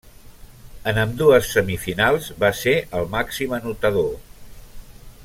En ambdues semifinals va ser el màxim anotador.